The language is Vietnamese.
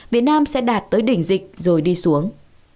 việt nam sẽ đạt tới đỉnh dịch rồi đi xuống